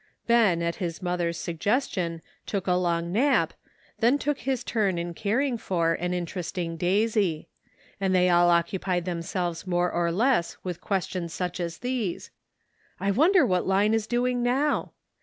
Ben, at his mother's suggestion, took a long nap, then took his turn in caring for and inter esting Daisy ; and they all occupied themselves more or less with questions such as these :" I wonder what Line is doing now?"